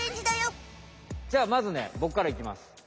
じゃあまずねボクからいきます。